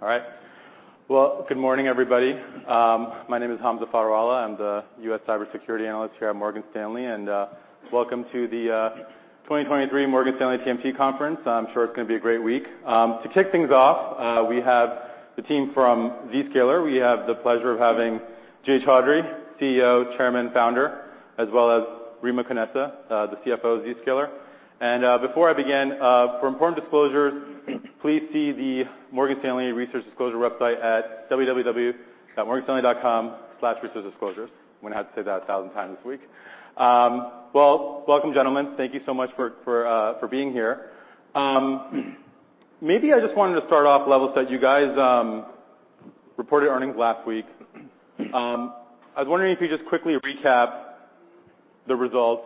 All right. Well, good morning, everybody. My name is Hamza Fodderwala. I'm the U.S. cybersecurity analyst here at Morgan Stanley, welcome to the 2023 Morgan Stanley TMT conference. I'm sure it's gonna be a great week. To kick things off, we have the team from Zscaler. We have the pleasure of having Jay Chaudhry, CEO, Chairman, Founder, as well as Remo Canessa, the CFO of Zscaler. Before I begin, for important disclosures, please see the Morgan Stanley Research Disclosure website at www.morganstanley.com/researchdisclosures. I'm gonna have to say that 1,000 times this week. Well, welcome, gentlemen. Thank you so much for being here. Maybe I just wanted to start off level set. You guys reported earnings last week. I was wondering if you just quickly recap the results.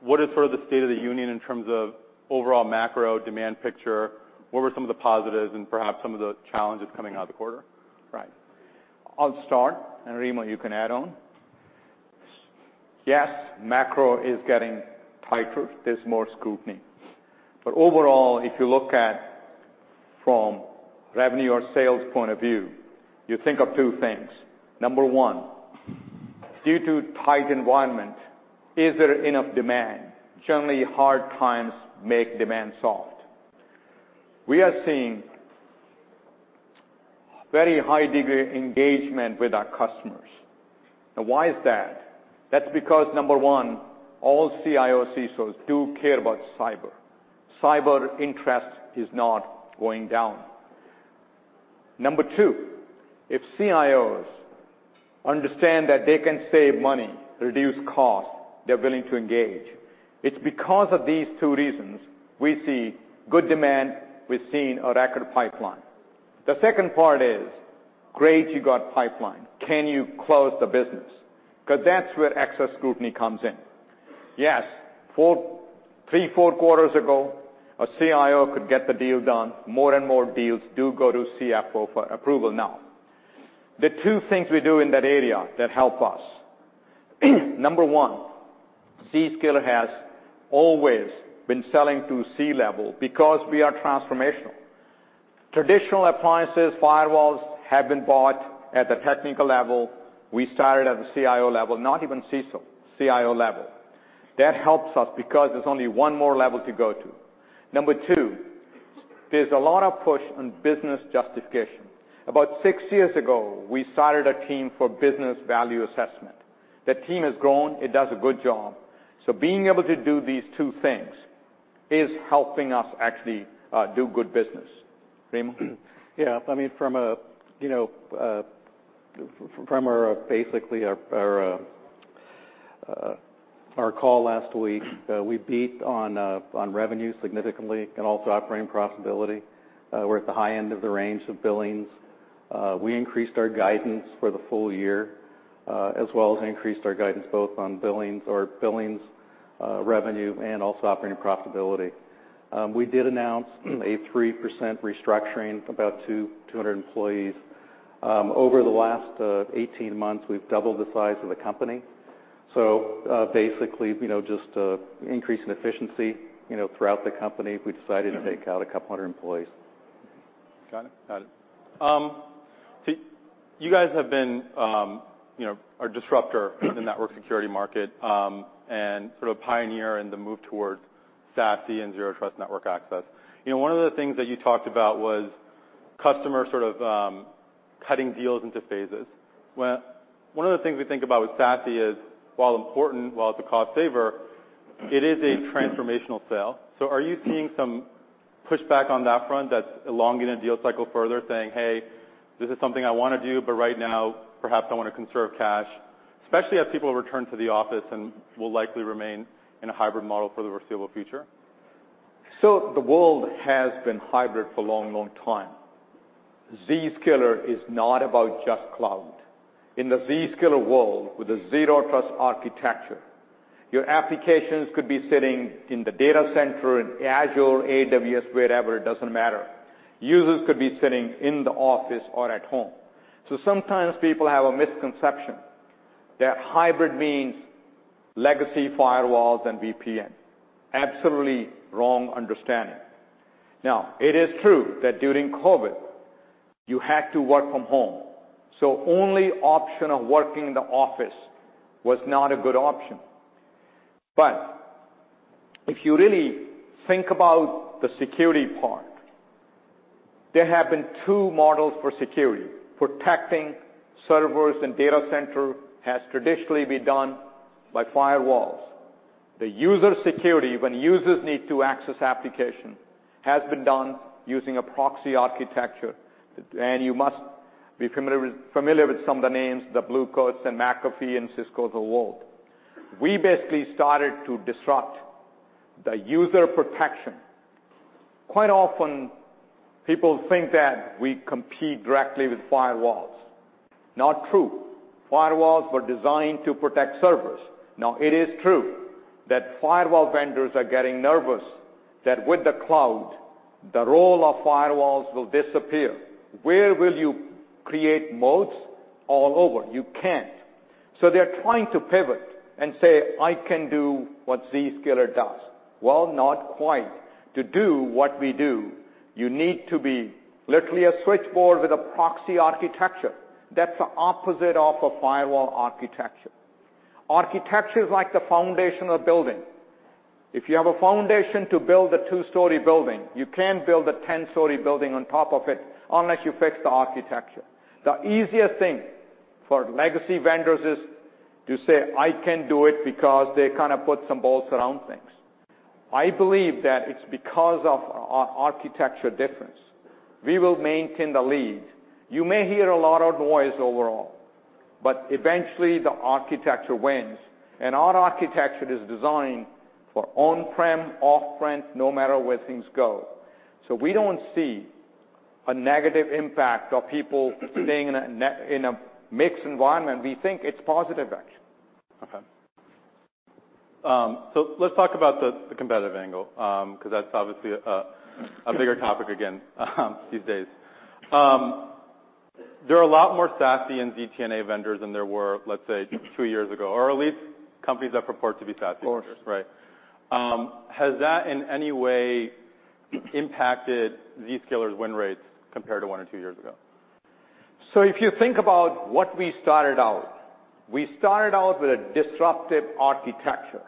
What is sort of the state of the union in terms of overall macro demand picture? What were some of the positives and perhaps some of the challenges coming out of the quarter? Right. I'll start. Remo, you can add on. Macro is getting tighter. There's more scrutiny. Overall, if you look at from revenue or sales point of view, you think of two things. Number one, due to tight environment, is there enough demand? Generally, hard times make demand soft. We are seeing very high degree engagement with our customers. Why is that? That's because, number one, all CIOs, CSOs do care about cyber. Cyber interest is not going down. Number two, if CIOs understand that they can save money, reduce costs, they're willing to engage. It's because of these two reasons we see good demand, we're seeing a record pipeline. The second part is, great, you got pipeline. Can you close the business? 'Cause that's where excess scrutiny comes in. Three, four quarters ago, a CIO could get the deal done. More and more deals do go to CFO for approval now. The two things we do in that area that help us. Number one, Zscaler has always been selling to C-level because we are transformational. Traditional appliances, firewalls have been bought at the technical level. We started at the CIO level, not even CISO, CIO level. That helps us because there's only one more level to go to. Number two, there's a lot of push on business justification. About six years ago, we started a team for business value assessment. That team has grown. It does a good job. Being able to do these two things is helping us actually do good business. Remo? Yeah. I mean, from a, you know, from our, basically our call last week, we beat on revenue significantly and also operating profitability. We're at the high end of the range of billings. We increased our guidance for the full year, as well as increased our guidance both on billings, revenue, and also operating profitability. We did announce a 3% restructuring, about 200 employees. Over the last 18-months, we've doubled the size of the company. Basically, you know, just to increase in efficiency, you know, throughout the company, we decided to take out a couple hundred employees. Got it. Got it. You guys have been, you know, a disruptor in the network security market, and sort of pioneer in the move towards SASE and Zero Trust Network Access. You know, one of the things that you talked about was customers sort of cutting deals into phases. Well, one of the things we think about with SASE is, while important, while it's a cost saver, it is a transformational sale. Are you seeing some pushback on that front that's elongating deal cycle further, saying, "Hey, this is something I wanna do, but right now perhaps I wanna conserve cash," especially as people return to the office and will likely remain in a hybrid model for the foreseeable future? The world has been hybrid for a long, long time. Zscaler is not about just cloud. In the Zscaler world, with a Zero Trust Architecture, your applications could be sitting in the data center, in Azure, AWS, wherever, it doesn't matter. Users could be sitting in the office or at home. Sometimes people have a misconception that hybrid means legacy firewalls and VPN. Absolutely wrong understanding. It is true that during COVID, you had to work from home, so only option of working in the office was not a good option. If you really think about the security part, there have been two models for security. Protecting servers and data center has traditionally been done by firewalls. The user security, when users need to access application, has been done using a proxy architecture. You must be familiar with some of the names, the Blue Coat and McAfee and Ciscos of the world. We basically started to disrupt the user protection. Quite often, people think that we compete directly with firewalls. Not true. Firewalls were designed to protect servers. Now, it is true that firewall vendors are getting nervous that with the cloud, the role of firewalls will disappear. Where will you create modes all over? You can't. They're trying to pivot and say, "I can do what Zscaler does." Well, not quite. To do what we do, you need to be literally a switchboard with a proxy architecture. That's the opposite of a firewall architecture. Architecture is like the foundation of building. If you have a foundation to build a two-story building, you can't build a 10-story building on top of it unless you fix the architecture. The easiest thing for legacy vendors is to say, "I can do it," because they kind of put some bolts around things. I believe that it's because of an architecture difference, we will maintain the lead. You may hear a lot of noise overall, but eventually the architecture wins, and our architecture is designed for on-prem, off-prem, no matter where things go. We don't see a negative impact of people sitting in a mixed environment. We think it's positive, actually. Okay. Let's talk about the competitive angle, 'cause that's obviously a bigger topic again, these days. There are a lot more SASE and ZTNA vendors than there were, let's say, two years ago, or at least companies that purport to be SASE vendors. Of course. Right. Has that, in any way, impacted Zscaler's win rates compared to one or two years ago? If you think about what we started out, we started out with a disruptive architecture.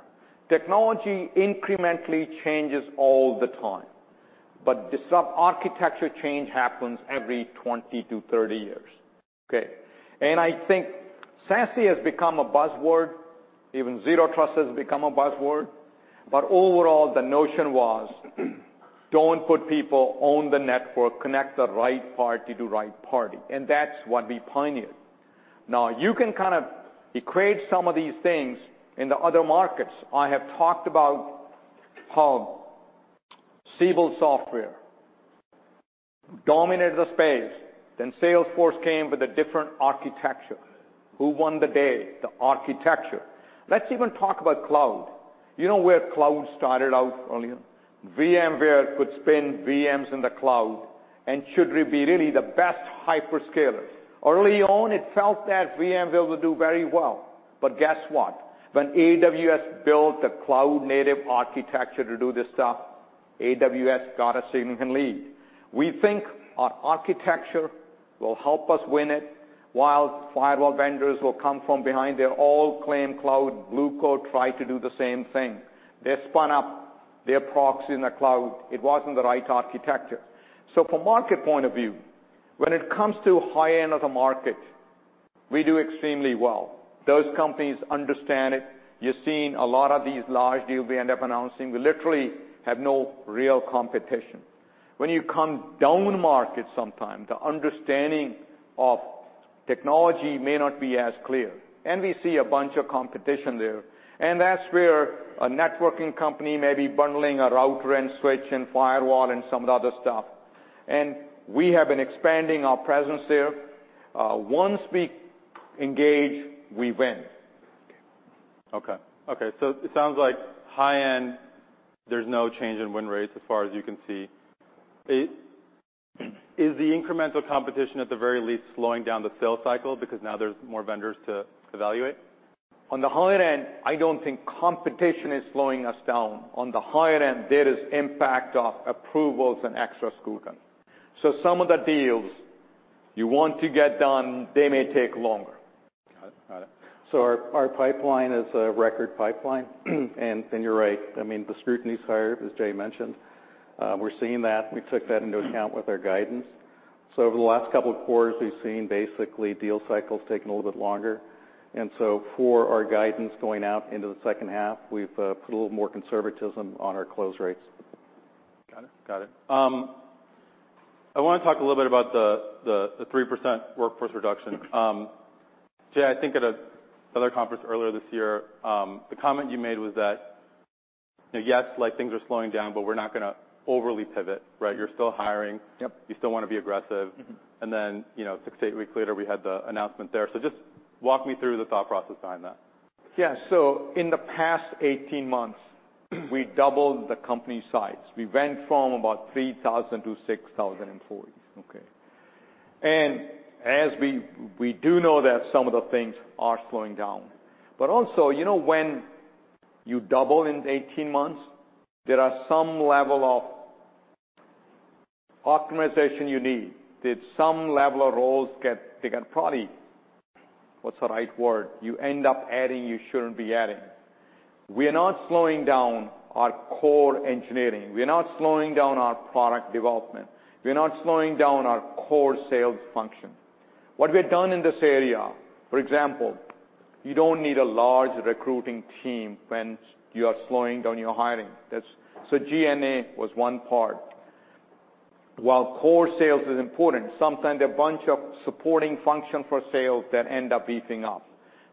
Technology incrementally changes all the time, but architecture change happens every 20-30 years. Okay. I think SASE has become a buzzword, even Zero Trust has become a buzzword. Overall, the notion was, don't put people on the network, connect the right party to right party, and that's what we pioneered. Now, you can kind of create some of these things in the other markets. I have talked about how Siebel Systems dominated the space, then Salesforce came with a different architecture. Who won the day? The architecture. Let's even talk about cloud. You know where cloud started out earlier? VMware could spin VMs in the cloud and should be really the best hyperscaler. Early on, it felt that VMware will do very well. Guess what? When AWS built the cloud-native architecture to do this stuff, AWS got a significant lead. We think our architecture will help us win it, while firewall vendors will come from behind. They all claim cloud. Blue Coat tried to do the same thing. They spun up their proxy in the cloud. It wasn't the right architecture. From market point of view, when it comes to high-end of the market, we do extremely well. Those companies understand it. You're seeing a lot of these large deals we end up announcing. We literally have no real competition. When you come down market sometime, the understanding of technology may not be as clear, and we see a bunch of competition there. That's where a networking company may be bundling a router and switch and firewall and some of the other stuff. We have been expanding our presence there. Once we engage, we win. Okay. Okay. It sounds like high-end, there's no change in win rates as far as you can see. Is the incremental competition at the very least slowing down the sales cycle because now there's more vendors to evaluate? On the high-end, I don't think competition is slowing us down. On the high-end, there is impact of approvals and extra scrutiny. Some of the deals you want to get done, they may take longer. Got it. Got it. Our pipeline is a record pipeline. You're right, I mean the scrutiny's higher, as Jay mentioned. We're seeing that. We took that into account with our guidance. Over the last couple of quarters, we've seen basically deal cycles taking a little bit longer. For our guidance going out into the second half, we've put a little more conservatism on our close rates. Got it. Got it. I wanna talk a little bit about the 3% workforce reduction. Jay, I think at another conference earlier this year, the comment you made was that, you know, yes, like things are slowing down, but we're not gonna overly pivot, right? You're still hiring. Yep. You still wanna be aggressive. You know, six to eight weeks later, we had the announcement there. Just walk me through the thought process behind that. Yeah. In the past 18-months, we doubled the company size. We went from about 3,000 to 6,000 employees. Okay. As we do know that some of the things are slowing down. Also, you know, when you double in 18-months, there are some level of optimization you need. There's some level of roles they can probably-- What's the right word? You end up adding, you shouldn't be adding. We are not slowing down our core engineering. We are not slowing down our product development. We're not slowing down our core sales function. What we've done in this area, for example, you don't need a large recruiting team when you are slowing down your hiring. G&A was one part. While core sales is important, sometimes a bunch of supporting function for sales that end up beefing up.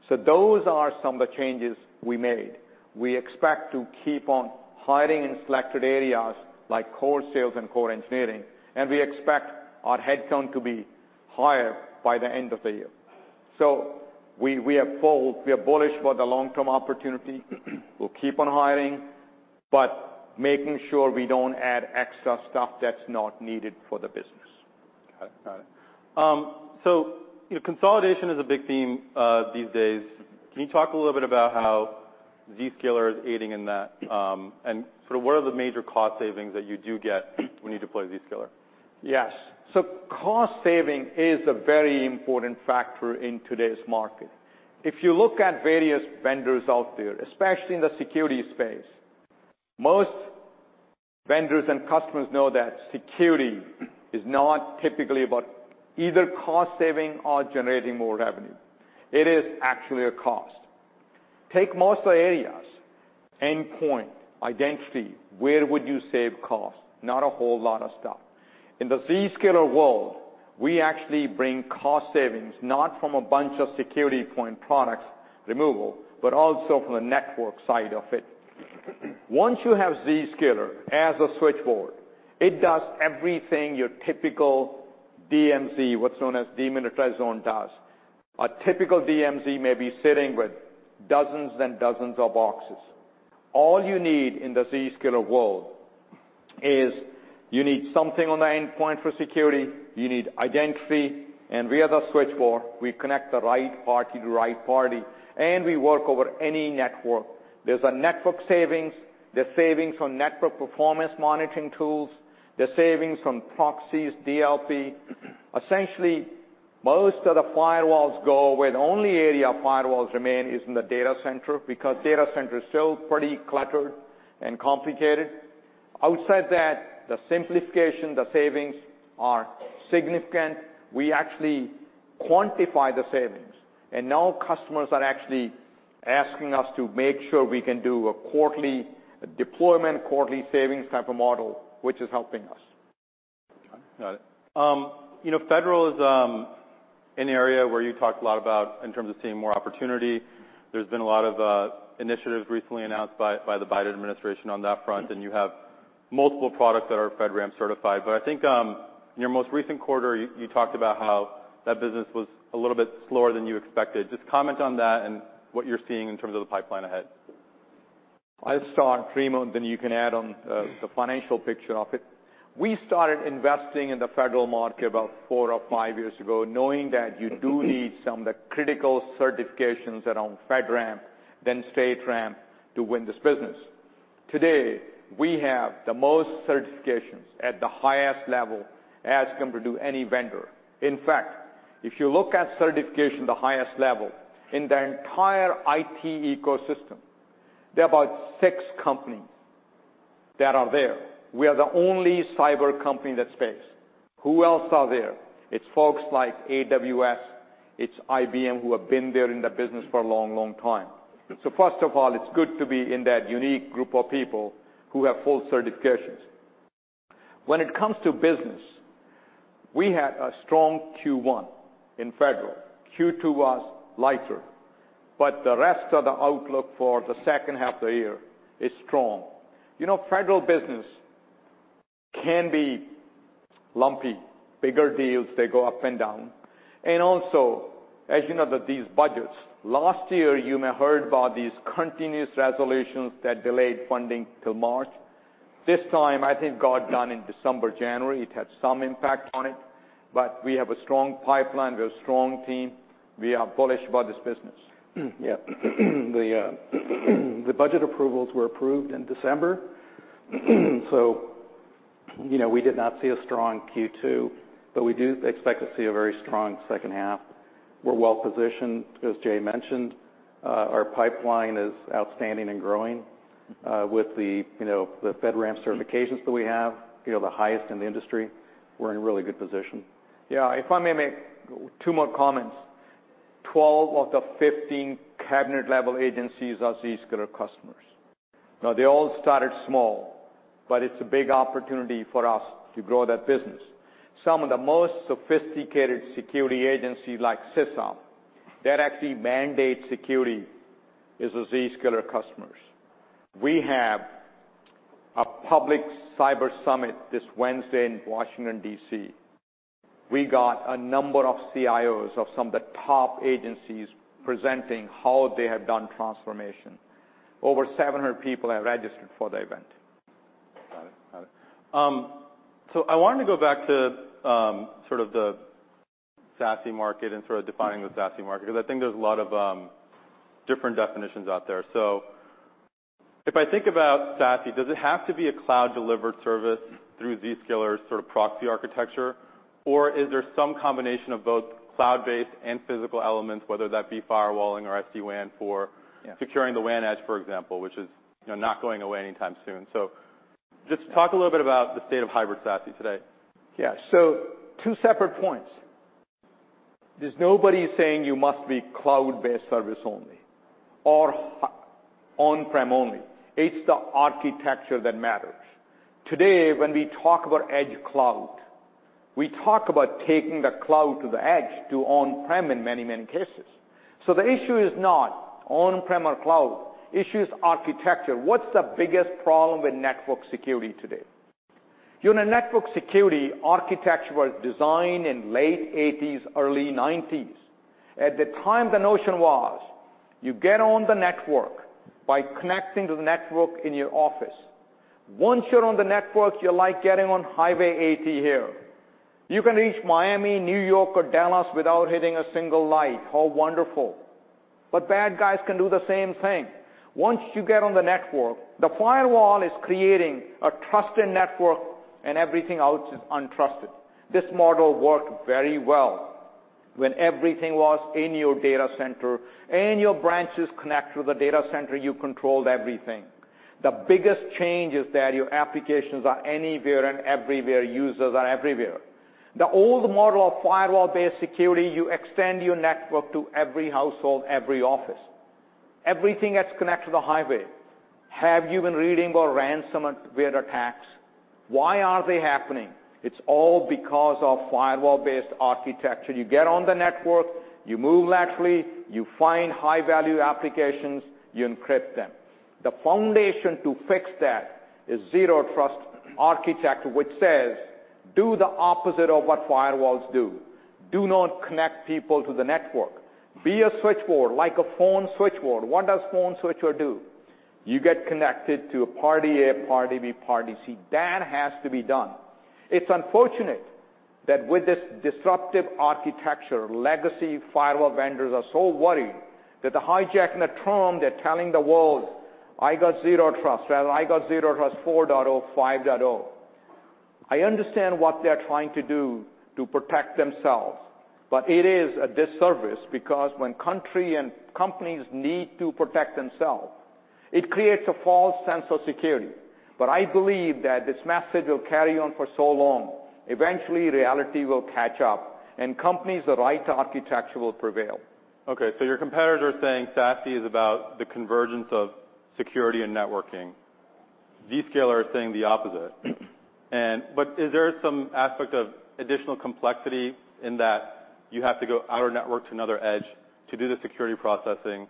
Those are some of the changes we made. We expect to keep on hiring in selected areas like core sales and core engineering, and we expect our headcount to be higher by the end of the year. We are bullish for the long-term opportunity. We'll keep on hiring. Making sure we don't add extra stuff that's not needed for the business. Okay, got it. consolidation is a big theme, these days. Can you talk a little bit about how Zscaler is aiding in that, and sort of what are the major cost savings that you do get when you deploy Zscaler? Yes. Cost saving is a very important factor in today's market. If you look at various vendors out there, especially in the security space, most vendors and customers know that security is not typically about either cost saving or generating more revenue. It is actually a cost. Take most of the areas, endpoint, identity, where would you save costs? Not a whole lot of stuff. In the Zscaler world, we actually bring cost savings, not from a bunch of security point products removal, but also from the network side of it. Once you have Zscaler as a switchboard, it does everything your typical DMZ, what's known as demilitarized zone does. A typical DMZ may be sitting with dozens and dozens of boxes. All you need in the Zscaler world is you need something on the endpoint for security, you need identity, and we are the switchboard. We connect the right party to right party. We work over any network. There's a network savings. There's savings on network performance monitoring tools. There's savings from proxies, DLP. Essentially, most of the firewalls go, where the only area firewalls remain is in the data center, because data center is still pretty cluttered and complicated. Outside that, the simplification, the savings are significant. We actually quantify the savings. Now customers are actually asking us to make sure we can do a quarterly deployment, quarterly savings type of model, which is helping us. Got it. You know, federal is an area where you talked a lot about in terms of seeing more opportunity. There's been a lot of initiatives recently announced by the Biden administration on that front, and you have multiple products that are FedRAMP certified. I think, in your most recent quarter, you talked about how that business was a little bit slower than you expected. Just comment on that and what you're seeing in terms of the pipeline ahead. I'll start, Remo, then you can add on the financial picture of it. We started investing in the federal market about four or five years ago, knowing that you do need some of the critical certifications around FedRAMP, then StateRAMP to win this business. Today, we have the most certifications at the highest level as compared to any vendor. In fact, if you look at certification, the highest level in the entire IT ecosystem, there are about six companies that are there. We are the only cyber company in that space. Who else are there? It's folks like AWS, it's IBM, who have been there in the business for a long, long time. First of all, it's good to be in that unique group of people who have full certifications. When it comes to business, we had a strong Q1 in federal. Q2 was lighter. The rest of the outlook for the second half of the year is strong. You know, Federal business can be lumpy, bigger deals, they go up and down. Also, as you know that these budgets, last year, you may heard about these Continuing Resolution that delayed funding till March. This time, I think got done in December, January. It had some impact on it. We have a strong pipeline, we have a strong team. We are bullish about this business. Yeah. The budget approvals were approved in December, you know, we did not see a strong Q2, but we do expect to see a very strong second half. We're well-positioned. As Jay mentioned, our pipeline is outstanding and growing, with the, you know, the FedRAMP certifications that we have, you know, the highest in the industry. We're in a really good position. If I may make two more comments. 12 of the 15 cabinet-level agencies are Zscaler customers. They all started small, but it's a big opportunity for us to grow that business. Some of the most sophisticated security agencies like CISA, that actually mandate security, is Zscaler customers. We have a public cyber summit this Wednesday in Washington, D.C. We got a number of CIOs of some of the top agencies presenting how they have done transformation. Over 700 people have registered for the event. Got it. I wanted to go back to sort of the SASE market and sort of defining the SASE market, because I think there's a lot of different definitions out there. If I think about SASE, does it have to be a cloud-delivered service through Zscaler sort of proxy architecture, or is there some combination of both cloud-based and physical elements, whether that be firewalling or SD-WAN? Yeah. Securing the WAN edge, for example, which is, you know, not going away anytime soon. Just talk a little bit about the state of hybrid SASE today. Two separate points. There's nobody saying you must be cloud-based service only or on-prem only. It's the architecture that matters. Today, when we talk about edge cloud, we talk about taking the cloud to the edge to on-prem in many, many cases. The issue is not on-prem or cloud, issue is architecture. What's the biggest problem with network security today? You know, network security architecture was designed in late eighties, early nineties. At the time, the notion was you get on the network by connecting to the network in your office. Once you're on the network, you're like getting on Highway 80 here. You can reach Miami, New York, or Dallas without hitting a single light. How wonderful. Bad guys can do the same thing. Once you get on the network, the firewall is creating a trusted network, and everything else is untrusted. This model worked very well when everything was in your data center and your branches connect to the data center, you controlled everything. The biggest change is that your applications are anywhere and everywhere. Users are everywhere. The old model of firewall-based security, you extend your network to every household, every office. Everything is connected to the highway. Have you been reading about ransomware attacks? Why are they happening? It's all because of firewall-based architecture. You get on the network, you move laterally, you find high-value applications, you encrypt them. The foundation to fix that is Zero Trust Architecture, which says, do the opposite of what firewalls do. Do not connect people to the network. Be a switchboard, like a phone switchboard. What does phone switchboard do? You get connected to party A, party B, party C. That has to be done. It's unfortunate that with this disruptive architecture, legacy firewall vendors are so worried that they're hijacking a term, they're telling the world, "I got Zero Trust. Well, I got Zero Trust 4.0, 5.0." I understand what they're trying to do to protect themselves, but it is a disservice, because when country and companies need to protect themselves, it creates a false sense of security. I believe that this message will carry on for so long, eventually reality will catch up, and companies with the right architecture will prevail. Okay, your competitors are saying SASE is about the convergence of security and networking. Zscaler is saying the opposite. Is there some aspect of additional complexity in that you have to go out-of-network to another edge to do the security processing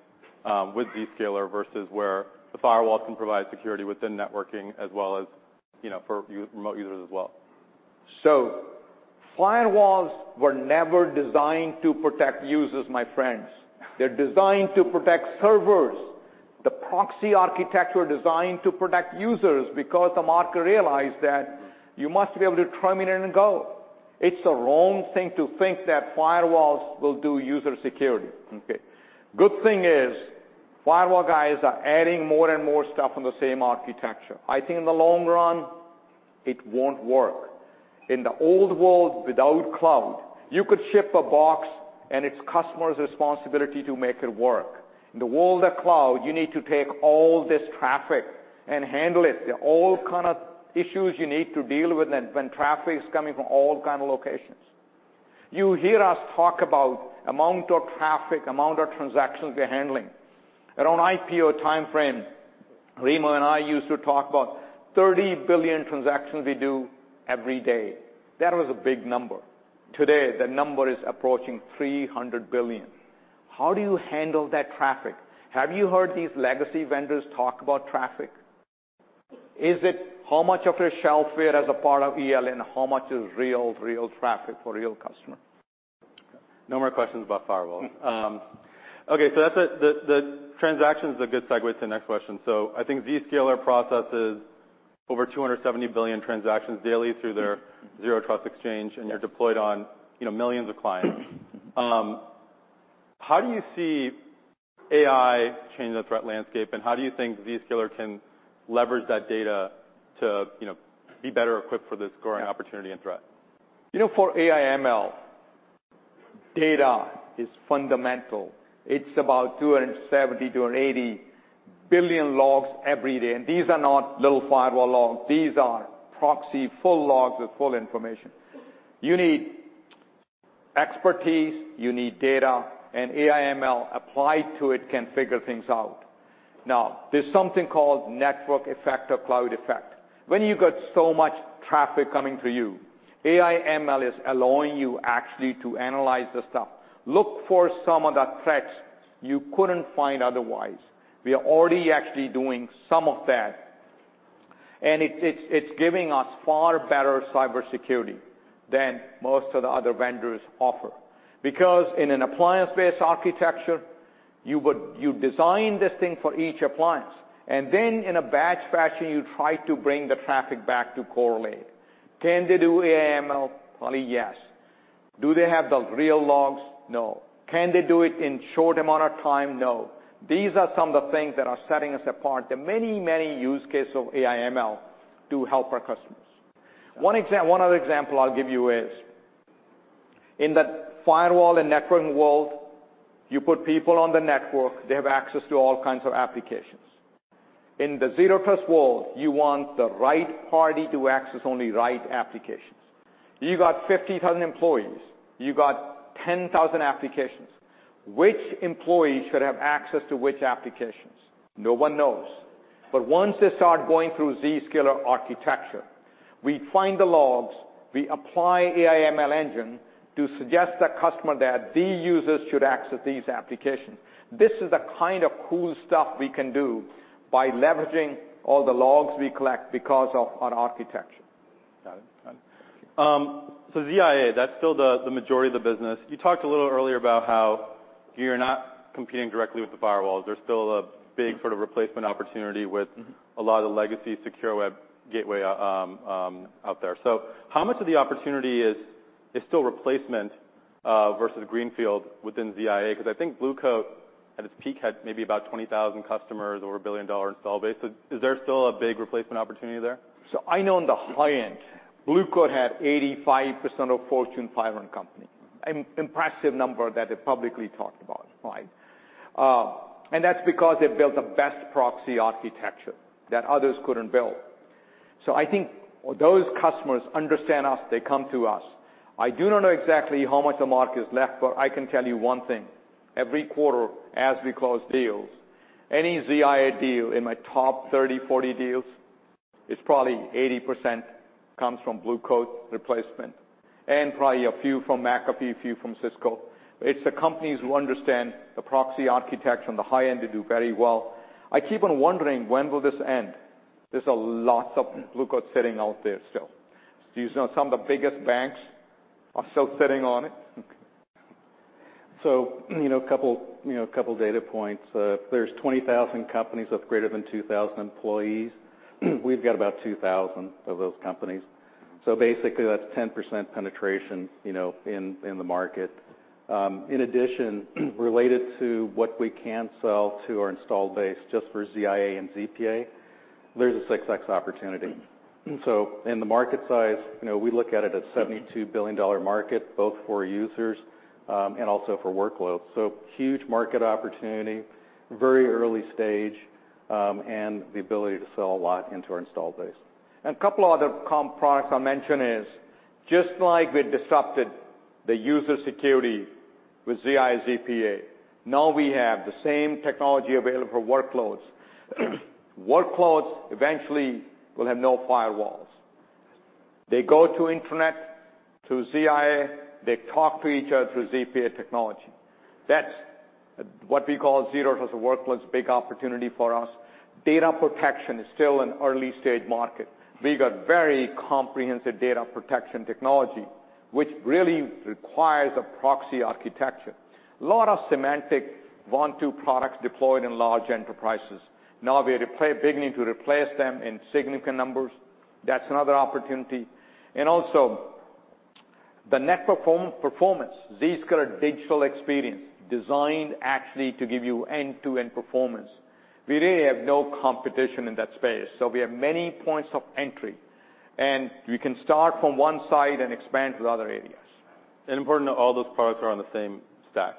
with Zscaler versus where the firewall can provide security within networking as well as, you know, for remote users as well? Firewalls were never designed to protect users, my friends. They're designed to protect servers. The proxy architecture designed to protect users because the market realized that you must be able to terminate and go. It's the wrong thing to think that firewalls will do user security, okay. Good thing is, firewall guys are adding more and more stuff on the same architecture. I think in the long run, it won't work. In the old world without cloud, you could ship a box, and it's customer's responsibility to make it work. In the world of cloud, you need to take all this traffic and handle it. There are all kind of issues you need to deal with and when traffic is coming from all kind of locations. You hear us talk about amount of traffic, amount of transactions we're handling. Around IPO timeframe, Remo and I used to talk about 30 billion transactions we do every day. That was a big number. Today, the number is approaching 300 billion. How do you handle that traffic? Have you heard these legacy vendors talk about traffic? Is it how much of your shelfware as a part of ELA? How much is real traffic for real customer? No more questions about firewall. Okay, that's it. The transaction is a good segue to the next question. I think Zscaler processes over 270 billion transactions daily through their Zero Trust Exchange, and you're deployed on, you know, millions of clients. How do you see AI changing the threat landscape, and how do you think Zscaler can leverage that data to, you know, be better equipped for this growing opportunity and threat? You know, for AI ML, data is fundamental. It's about 270 billion-280 billion logs every day. These are not little firewall logs. These are proxy full logs with full information. You need expertise, you need data. AI ML applied to it can figure things out. Now, there's something called network effect or cloud effect. When you got so much traffic coming to you, AI ML is allowing you actually to analyze the stuff, look for some of the threats you couldn't find otherwise. We are already actually doing some of that. It's giving us far better cybersecurity than most of the other vendors offer. In an appliance-based architecture, you design this thing for each appliance, and then in a batch fashion, you try to bring the traffic back to correlate. Can they do AI ML? Probably, yes. Do they have the real logs? No. Can they do it in short amount of time? No. These are some of the things that are setting us apart. There are many use cases of AI ML to help our customers. One other example I'll give you is, in the firewall and networking world, you put people on the network, they have access to all kinds of applications. In the Zero Trust world, you want the right party to access only right applications. You got 50,000 employees, you got 10,000 applications. Which employee should have access to which applications? No one knows. Once they start going through Zscaler architecture, we find the logs. We apply AI ML engine to suggest the customer that these users should access these applications. This is the kind of cool stuff we can do by leveraging all the logs we collect because of our architecture. Got it. ZIA, that's still the majority of the business. You talked a little earlier about how you're not competing directly with the firewalls. There's still a big sort of replacement opportunity with. A lot of the legacy secure web gateway out there. How much of the opportunity is still replacement versus greenfield within ZIA? 'Cause I think Blue Coat, at its peak, had maybe about 20,000 customers or a billion-dollar install base. Is there still a big replacement opportunity there? I know on the high end, Blue Coat had 85% of Fortune 500 companies. An impressive number that they publicly talked about. Right? That's because they built the best proxy architecture that others couldn't build. I think those customers understand us, they come to us. I do not know exactly how much the market is left, but I can tell you one thing, every quarter, as we close deals, any ZIA deal in my top 30, 40 deals, it's probably 80% comes from Blue Coat replacement and probably a few from McAfee, a few from Cisco. It's the companies who understand the proxy architecture. On the high end, they do very well. I keep on wondering, when will this end? There's a lot of Blue Coat sitting out there still. Some of the biggest banks are still sitting on it. You know, a couple, you know, a couple data points. If there's 20,000 companies with greater than 2,000 employees, we've got about 2,000 of those companies. Basically, that's 10% penetration, you know, in the market. In addition, related to what we can sell to our installed base, just for ZIA and ZPA, there's a 6x opportunity. In the market size, you know, we look at it as a $72 billion market, both for users, and also for workloads. Huge market opportunity, very early stage, and the ability to sell a lot into our installed base. A couple other com products I'll mention is, just like we disrupted the user security with ZIA, ZPA, now we have the same technology available for workloads. Workloads eventually will have no firewalls. They go to internet through ZIA, they talk to each other through ZPA technology. That's what we call Zero Trust workloads, big opportunity for us. Data protection is still an early-stage market. We've got very comprehensive data protection technology, which really requires a proxy architecture. A lot of Symantec WAN products deployed in large enterprises. Now we're beginning to replace them in significant numbers. That's another opportunity. Also the performance, Zscaler Digital Experience designed actually to give you end-to-end performance. We really have no competition in that space, so we have many points of entry, and we can start from one side and expand to other areas. Important that all those products are on the same stack,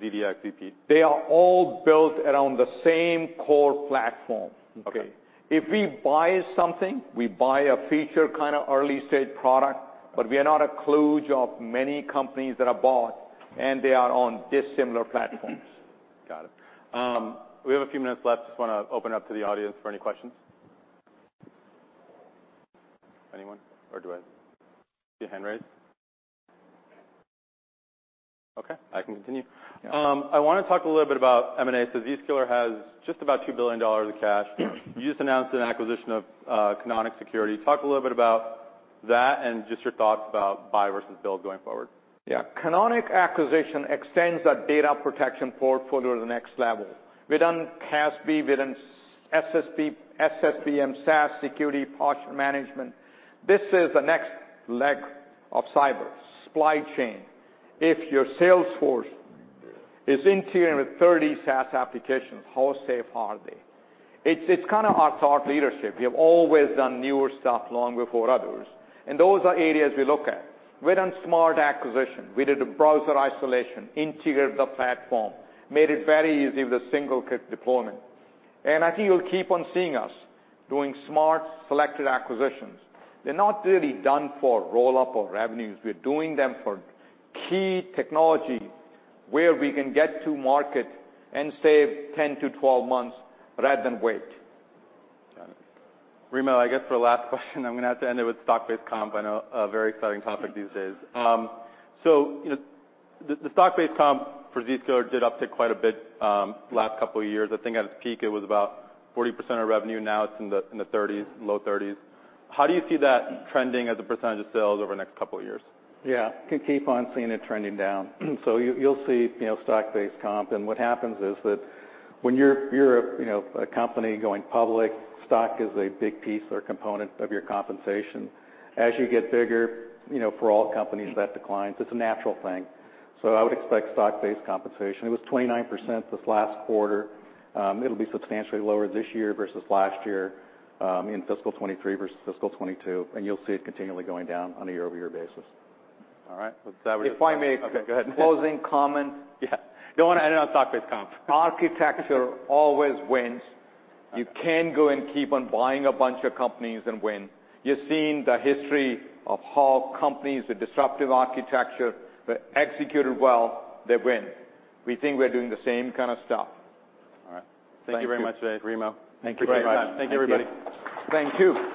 ZDX, ZP. They are all built around the same core platform. Okay. If we buy something, we buy a feature, kind of early-stage product, but we are not a kludge of many companies that are bought, and they are on dissimilar platforms. Got it. We have a few minutes left. Just wanna open it up to the audience for any questions. Anyone? Or do I See a hand raised? Okay, I can continue. I wanna talk a little bit about M&A. Zscaler has just about $2 billion of cash. You just announced an acquisition of Canonic Security. Talk a little bit about that and just your thoughts about buy versus build going forward. Yeah. Canonic acquisition extends our data protection portfolio to the next level. We've done CASB, we've done SSPM, SaaS Security Posture Management. This is the next leg of cyber, supply chain. If your sales force is integrated with 30 SaaS applications, how safe are they? It's kinda our thought leadership. We have always done newer stuff long before others, and those are areas we look at. We've done smart acquisition. We did a browser isolation, integrated the platform, made it very easy with a single click deployment. I think you'll keep on seeing us doing smart, selected acquisitions. They're not really done for roll-up or revenues. We're doing them for key technology where we can get to market and save 10-12 months rather than wait. Got it. Remo, I guess for the last question, I'm gonna have to end it with Stock-based compensation. I know a very exciting topic these days. You know, the Stock-based compensation for Zscaler did uptick quite a bit last couple of years. I think at its peak, it was about 40% of revenue. Now it's in the 30s, low 30s. How do you see that trending as a percentage of sales over the next couple of years? Yeah. Can keep on seeing it trending down. You'll see, you know, Stock-based compensation, and what happens is that when you're a, you know, a company going public, stock is a big piece or component of your compensation. As you get bigger, you know, for all companies, that declines. It's a natural thing. I would expect Stock-based compensation. It was 29% this last quarter. It'll be substantially lower this year versus last year, in fiscal 2023 versus fiscal 2022, and you'll see it continually going down on a year-over-year basis. All right. If I may- Okay, go ahead. closing comment. Yeah. Don't wanna end on Stock-based compensation. Architecture always wins. You can go and keep on buying a bunch of companies and win. You've seen the history of how companies with disruptive architecture that executed well, they win. We think we're doing the same kind of stuff. All right. Thank you very much today, Remo. Thank you. Thank you for your time. Thank you, everybody. Thank you.